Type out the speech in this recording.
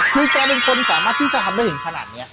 คือแกเป็นคนสามารถที่จะทำแน่ผู้หญิงขนาดเนี้ย